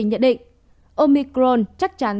nhận định omicron chắc chắn